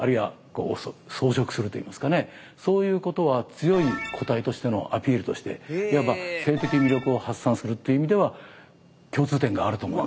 強い個体としてのアピールとしていわば性的魅力を発散するという意味では共通点があると思います。